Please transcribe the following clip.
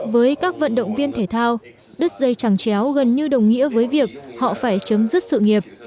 với các vận động viên thể thao đứt dây chẳng chéo gần như đồng nghĩa với việc họ phải chấm dứt sự nghiệp